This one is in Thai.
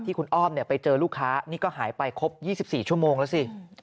คุณอ้อมไปเจอลูกค้านี่ก็หายไปครบ๒๔ชั่วโมงแล้วสิ